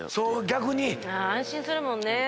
安心するもんね。